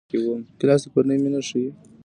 ګیلاس د کورنۍ مینه ښيي.